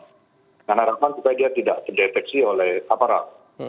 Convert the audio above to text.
dengan harapan supaya dia tidak terdeteksi oleh aparat